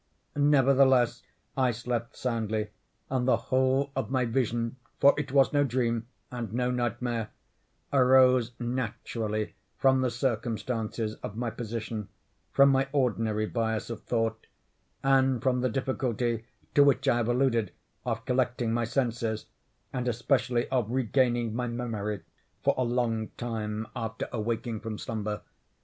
Nevertheless, I slept soundly, and the whole of my vision—for it was no dream, and no nightmare—arose naturally from the circumstances of my position—from my ordinary bias of thought—and from the difficulty, to which I have alluded, of collecting my senses, and especially of regaining my memory, for a long time after awaking from slumber.